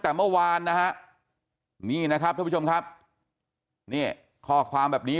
แต่เมื่อวานนะฮะนี่นะครับท่านผู้ชมครับนี่ข้อความแบบนี้